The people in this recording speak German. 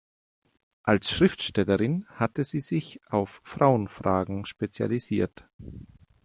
Als Schriftstellerin hatte sie sich auf Frauenfragen spezialisiert.